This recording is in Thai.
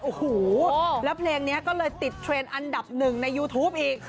โอ้โหแล้วเพลงนี้ก็เลยติดเทรนด์อันดับหนึ่งในยูทูปอีก